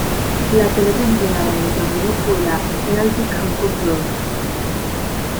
La pelota empleada en el torneo fue la "Penalty Campo Pro".